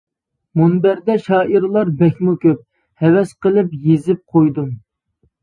مۇنبەردە شائىرلار بەكمۇ كۆپ، ھەۋەس قىلىپ يېزىپ قويدۇم.